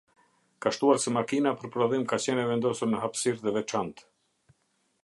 Ka shtuar se makina për prodhim ka qenë e vendosur në hapësirë të veçantë.